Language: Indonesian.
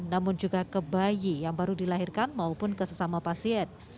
namun juga ke bayi yang baru dilahirkan maupun ke sesama pasien